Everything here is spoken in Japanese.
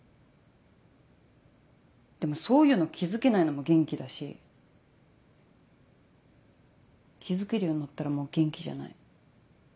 ⁉でもそういうの気付けないのも元気だし気付けるようになったらもう元気じゃない。